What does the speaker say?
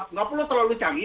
nggak perlu terlalu canggih